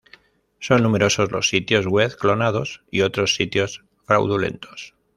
Son numerosos los sitios web clonados y otros sitios fraudulentos.